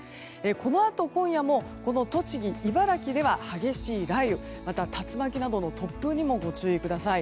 このあと今夜も栃木・茨城では激しい雷雨、また竜巻などの突風にもご注意ください。